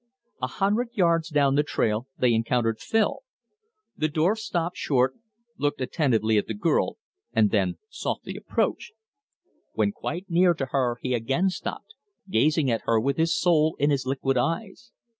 A hundred yards down the trail they encountered Phil. The dwarf stopped short, looked attentively at the girl, and then softly approached. When quite near to her he again stopped, gazing at her with his soul in his liquid eyes.